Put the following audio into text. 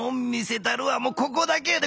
もうここだけやで。